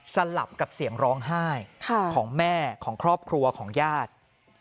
สลับกับเสียงร้องไห้ของแม่ของครอบครัวของญาติ